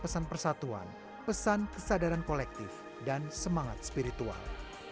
pesan persatuan pesan kesadaran kolektif dan semangat spiritual